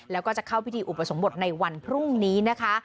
แล้วก็จะเข้าพิธีอุปสมบทในวันพรุ่งนี้นะคะ